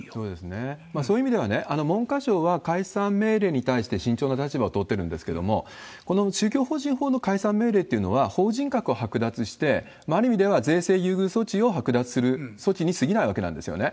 そういう意味ではね、文科省は解散命令に対して慎重な立場を取ってるんですけれども、この宗教法人法の解散命令というのは法人格を剥奪して、ある意味では税制優遇措置を剥奪する措置にすぎないわけなんですよね。